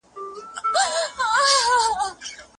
خپل هېواد په خپلو مټو اباد کړئ.